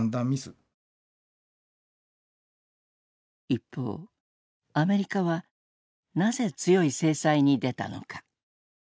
一方アメリカはなぜ強い制裁に出たのか。